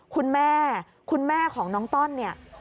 คุณแม่ของน้องต้อนเนี่ย